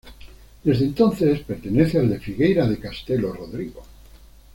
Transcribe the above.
Desde entonces pertenece al de Figueira de Castelo Rodrigo.